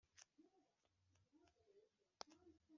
ngo ni ingabo y' itiku